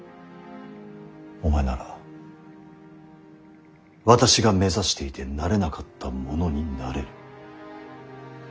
お前なら私が目指していてなれなかったものになれる。